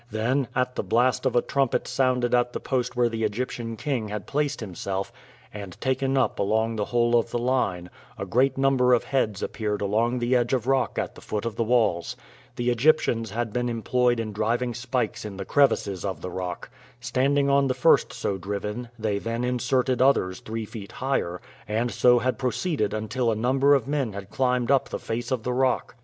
Then, at the blast of a trumpet sounded at the post where the Egyptian king had placed himself, and taken up along the whole of the line, a great number of heads appeared along the edge of rock at the foot of the walls. The Egyptians had been employed in driving spikes in the crevices of the rock. Standing on the first so driven, they then inserted others three feet higher, and so had proceeded until a number of men had climbed up the face of the rock.